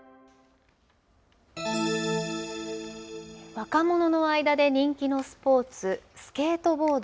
若者の間で人気のスポーツ、スケートボード。